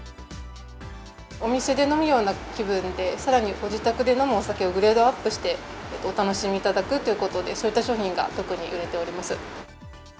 お店で飲むような気分で、さらにご自宅で飲むお酒をグレードアップしてお楽しみいただくということで、そういった商品が特に売れております。